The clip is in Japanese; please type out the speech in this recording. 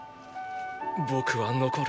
僕は残る。